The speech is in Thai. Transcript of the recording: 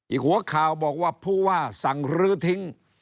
หัวข่าวบอกว่าผู้ว่าสั่งรื้อทิ้ง